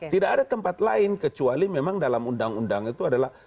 tidak ada tempat lain kecuali memang dalam undang undang itu adalah